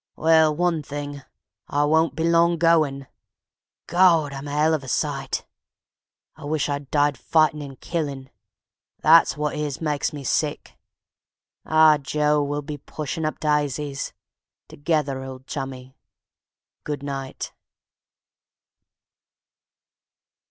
Well, one thing, I won't be long goin'. Gawd! I'm a 'ell of a sight. Wish I'd died fightin' and killin'; that's wot it is makes me sick. ... Ah, Joe! we'll be pushin' up dysies ... together, old Chummie ... good night!